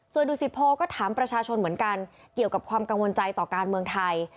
ส่วนดุสิโพก็ถามประชาชนเหมือนกันเกี่ยวกับความกังวลใจต่อการเมืองไทย